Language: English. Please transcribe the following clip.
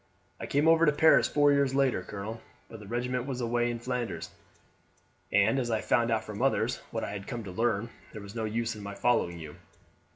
"I came over to Paris four years later, colonel, but the regiment was away in Flanders, and as I found out from others what I had come to learn, there was no use in my following you.